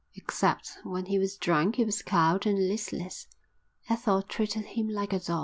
Except when he was drunk he was cowed and listless. Ethel treated him like a dog.